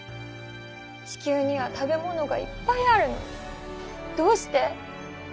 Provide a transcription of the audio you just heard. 地球には食べ物がいっぱいあるのにどうして？